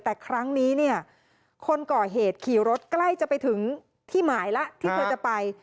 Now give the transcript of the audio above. แต่ครั้งนี้เนี่ยคนก่อเหตุขี่รถใกล้จะไปถึงที่หมายแล้วที่เธอจะไป